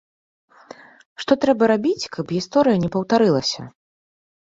Што трэба рабіць, каб гісторыя не паўтарылася?